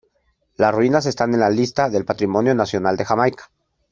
Las ruinas están en la lista del Patrimonio Nacional de Jamaica.